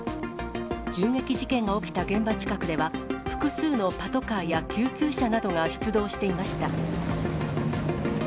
銃撃事件が起きた現場近くでは、複数のパトカーや救急車などが出動していました。